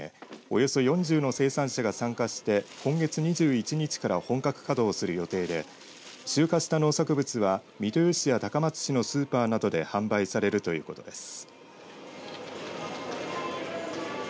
およそ４０の生産者が参加して今月２１日から本格稼働する予定で集荷した農作物は三豊市や高松市のスーパーなどで販売されるということです。